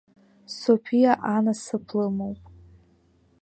Соԥиа анасыԥ лымоуп.